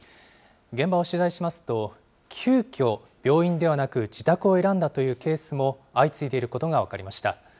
現場を取材しますと、急きょ、病院ではなく、自宅を選んだというケースも相次いでいることが分かりました。